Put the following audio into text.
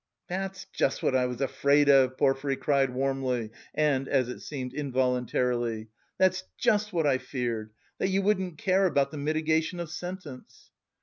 "That's just what I was afraid of!" Porfiry cried warmly and, as it seemed, involuntarily. "That's just what I feared, that you wouldn't care about the mitigation of sentence."